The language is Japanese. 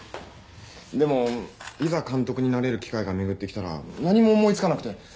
でもいざ監督になれる機会が巡ってきたら何も思い付かなくて。